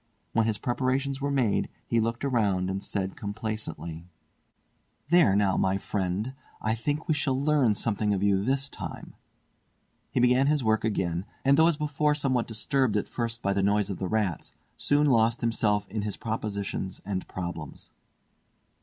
When his preparations were made he looked around, and said complacently: "There now, my friend, I think we shall learn something of you this time!" He began his work again, and though as before somewhat disturbed at first by the noise of the rats, soon lost himself in his propositions and problems.